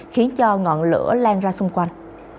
khiến cho ngọn lửa lan ra xung quanh